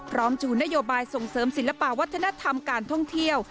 ชูนโยบายส่งเสริมศิลปะวัฒนธรรมการท่องเที่ยว